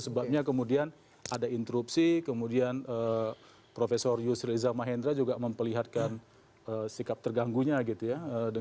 sebabnya kemudian ada interupsi kemudian prof yusril iza mahendra juga memperlihatkan sikap terganggunya gitu ya